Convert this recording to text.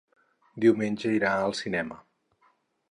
Diumenge irà al cinema.